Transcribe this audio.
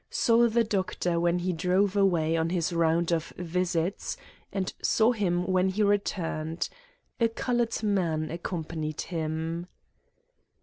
Saw the Doctor when he drove away on his round of visits, and saw him when he returned. A colored man accompanied him.